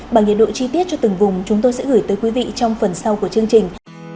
bằng nhiệt độ chi tiết cho từng vùng chúng tôi sẽ gửi tới quý vị trong phần sau của chương trình